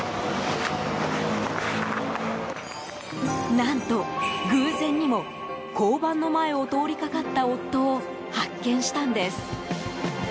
何と、偶然にも交番の前を通りかかった夫を発見したんです。